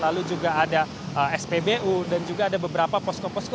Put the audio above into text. lalu juga ada spbu dan juga ada beberapa posko posko